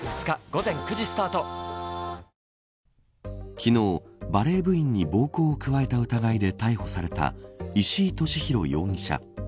昨日、バレー部員に暴行を加えた疑いで逮捕された石井利広容疑者。